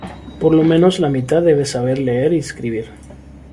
Por lo menos la mitad debe saber leer y escribir.